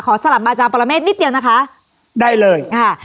สลับมาอาจารย์ปรเมฆนิดเดียวนะคะได้เลยค่ะ